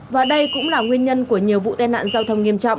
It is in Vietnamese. và đây cũng là nguyên nhân của nhiều vụ tên nạn